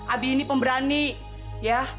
abi ini pemberani ya